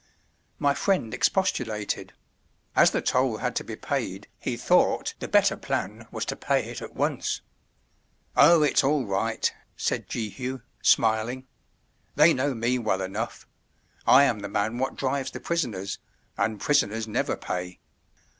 My friend expostulated; as the toll had to be paid, he thought the better plan was to pay it at once. "Oh, it's all right," said Jehu, smiling, "they know me well enough—I am the man wot drives the prisoners, and prisoners never pay."